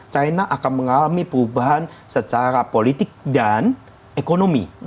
china akan mengalami perubahan secara politik dan ekonomi